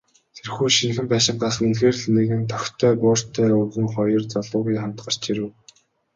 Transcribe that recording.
Тэрхүү шинэхэн байшингаас үнэхээр л нэгэн тохитой буурьтай өвгөн, хоёр залуугийн хамт гарч ирэв.